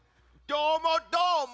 どーもどーも？